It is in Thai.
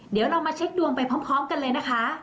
เดี๋ยวเรามาเช็คดวงไปพร้อมกันเลยนะคะ